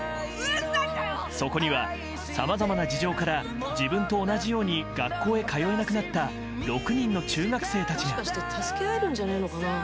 そこには、さまざまな事情から自分と同じように学校へ通えなくなった６人の中学生たちが。